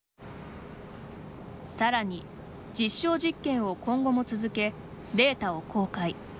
更に実証実験を今後も続けデータを公開。